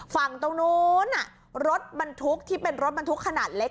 ฝั่งตรงนู้นรถบรรทุกที่เป็นรถบรรทุกขนาดเล็ก